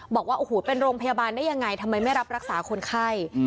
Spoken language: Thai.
บอกว่าโอ้โหเป็นโรงพยาบาลได้ยังไงทำไมไม่รับรักษาคนไข้